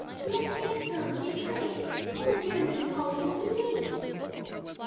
"Yes, yes, girls, she's coming! Oh dear me, Polly, we'll be late!"